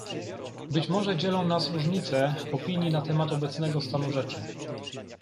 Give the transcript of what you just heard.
Być może dzielą nas różnice opinii na temat obecnego stanu rzeczy